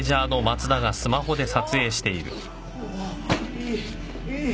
いいいい！